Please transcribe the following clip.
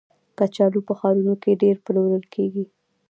کچالو په ښارونو کې ډېر پلورل کېږي